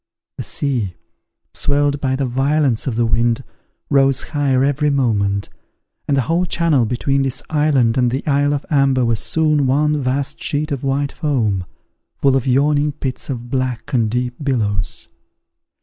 The sea, swelled by the violence of the wind, rose higher every moment; and the whole channel between this island and the isle of Amber was soon one vast sheet of white foam, full of yawning pits of black and deep billows.